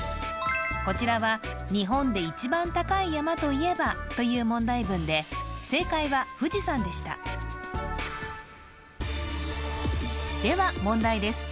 こちらは「日本で１番高い山といえば？」という問題文で正解は富士山でしたでは問題です